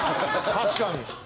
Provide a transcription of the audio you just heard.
確かに。